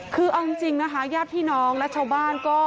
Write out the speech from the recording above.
คือเอาจริงนะคะญาติพี่น้องและชาวบ้านก็